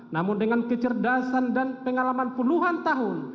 namun dengan kecerdasan dan pengalaman puluhan tahun